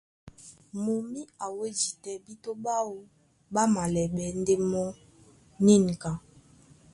Mumí a wédi tɛ́ bíto ɓáō ɓá malɛɓɛ́ ndé mɔ́ nînka.